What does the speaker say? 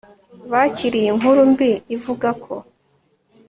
bakiriye inkuru mbi ivuga ko